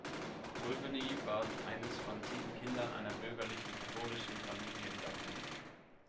Mulvany war eines von sieben Kindern einer bürgerlichen katholischen Familie in Dublin.